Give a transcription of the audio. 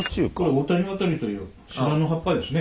オオタニワタリという島の葉っぱですね。